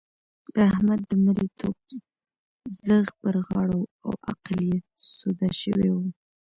د احمد د مرېيتوب ځغ پر غاړه وو او عقل يې سوده شوی وو.